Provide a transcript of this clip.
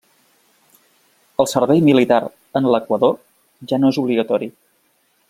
El Servei Militar en l'Equador ja no és obligatori.